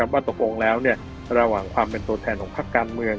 ว่าตกลงแล้วระหว่างความเป็นตัวแทนของภาคการเมือง